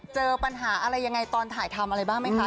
เจอปัญหาอะไรยังไงตอนถ่ายทำอะไรบ้างไหมคะ